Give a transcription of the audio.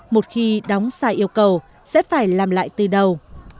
một khi đóng sai yêu cầu sẽ phải làm lại từ đầu